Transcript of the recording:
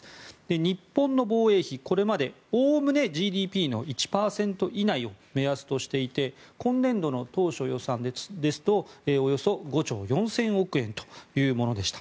日本の防衛費、これまでおおむねＧＤＰの１％以内を目安としていて今年度の当初予算ですとおよそ５兆４０００億円というものでした。